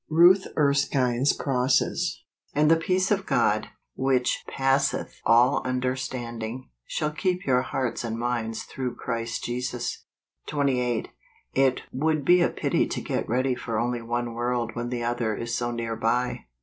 Ruth Erskine's Crosses. " And the peace of God, which passeth all under¬ standing, shall keep your hearts and minds through Christ Jesus ." 28. It would be a pity to get ready for only one world when the other is so near by.